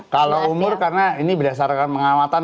kalau umur karena ini berdasarkan pengamatan